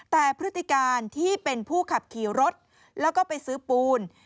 แต่พฤติการที่เป็นผู้ขับขี่รถแล้วก็ไปซื้อปูน